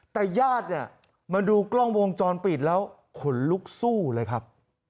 แต่ญาติเนี่ยมาดูกล้องวงจรปิดแล้วขนลุกสู้เลยครับ